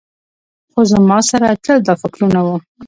خو زما سره تل دا فکرونه وو.